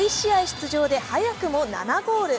出場で早くも７ゴール。